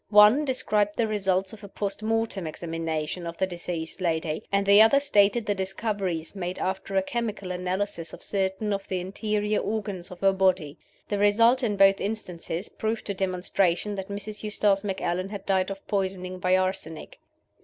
One described the results of a postmortem examination of the deceased lady, and the other stated the discoveries made after a chemical analysis of certain of the interior organs of her body. The result in both instances proved to demonstration that Mrs. Eustace Macallan had died of poisoning by arsenic.